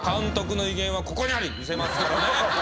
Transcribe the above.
見せますからね。